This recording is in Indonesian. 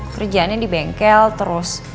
kerjaannya di bengkel terus